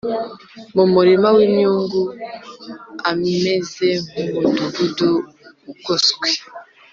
mu murima w’imyungu, ameze nk’umudugudu ugoswe